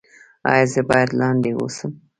ایا زه باید لاندې اوسم؟